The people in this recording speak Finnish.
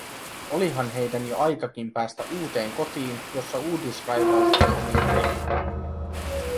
Olihan heidän jo aikakin päästä uuteen kotiin, jossa uudisraivaustyö oli jo tehty.